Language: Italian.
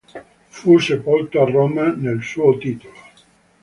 Fu sepolto a Roma nel suo titolo.